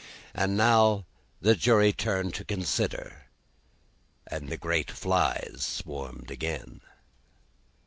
And now, the jury turned to consider, and the great flies swarmed again.